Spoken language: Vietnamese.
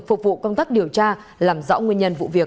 phục vụ công tác điều tra làm rõ nguyên nhân vụ việc